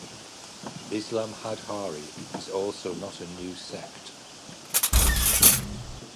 Islam Hadhari is also not a new sect.